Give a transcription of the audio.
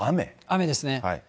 雨ですね。